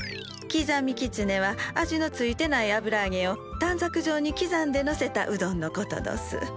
刻みきつねは味の付いてない油あげを短冊状に刻んでのせたうどんのことどす。